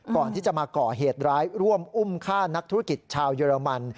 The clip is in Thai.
ก่อนที่จะมาก่อเหตุร้ายร่วมอุ้มฆ่านักธุรกิจชาวเยอรมัน